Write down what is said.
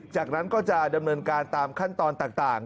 จากนั้นก็จะดำเนินการตามขั้นตอนต่าง